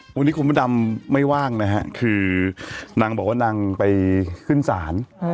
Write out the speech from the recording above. วันนี้คุณพระดำไม่ว่างนะฮะคือนางบอกว่านางไปขึ้นศาล